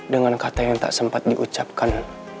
dengan kata yang tak sempat diucapkan